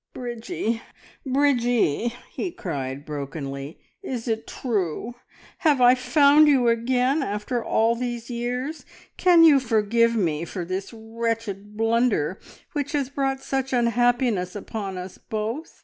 "Bridgie, Bridgie!" he cried brokenly. "Is it true? Have I found you again after all these years? Can you forgive me for this wretched blunder which has brought such unhappiness upon us both?